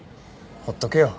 ほっとけよ。